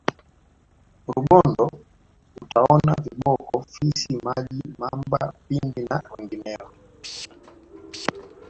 rubondo utaona viboko fisi maji mamba pimbi na wengineo